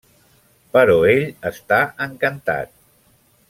Però ell està encantat.